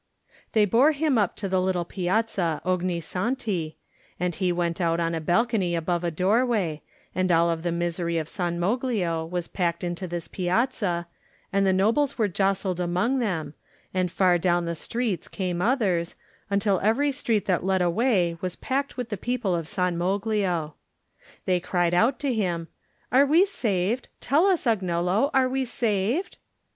They bore him up to the little Piazza Ogni Santi, and he went out on a balcony above a doorway, and all of the misery of San Moglio was packed into this piazza^ and the nobles were jostled among them, and far down the streets came others, until every street that led away was packed with the people of San Moglio. They cried out to him: "Are we saved? Tell us, Agnello, are we saved?"